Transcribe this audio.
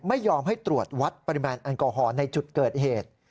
ไม่ยอมให้ตรวจวัดปริมาณแอลกอฮอลในจุดเกิดเหตุ